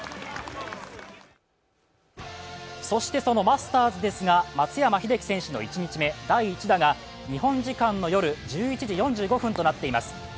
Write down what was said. そしてそのマスターズですが松山英樹選手の１日目、第１打が日本時間夜１１時４５分となっています。